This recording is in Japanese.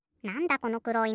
このくろいの。